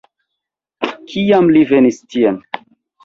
Kiam li venis tien?